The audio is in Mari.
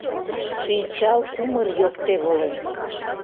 Шинчал кумыр йокте волен.